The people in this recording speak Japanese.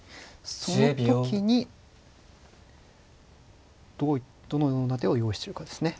その時にどのような手を用意してるかですね。